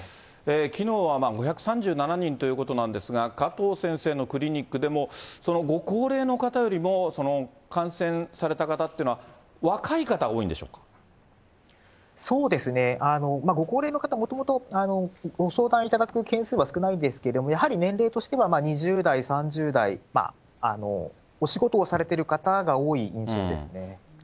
きのうは５３７人ということなんですが、加藤先生のクリニックでも、ご高齢の方よりも、感染された方というのは、若い方、そうですね、ご高齢の方、もともとご相談いただく件数は少ないですけれども、やはり年齢としては２０代、３０代、お仕事をされている方が多い印象ですね。